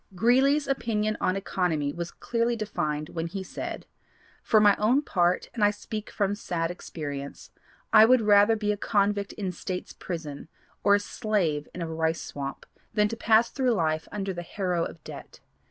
Greeley's opinion on economy was clearly defined when he said: "For my own part, and I speak from sad experience, I would rather be a convict in States Prison or a slave in a rice swamp, than to pass through life under the harrow of debt.